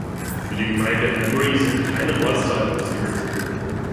Für die Gemeinde Hamry sind keine Ortsteile ausgewiesen.